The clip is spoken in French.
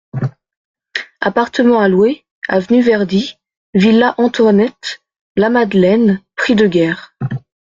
Appartement à louer, avenue Verdi, villa Antoinette, La Madeleine, prix de guerre.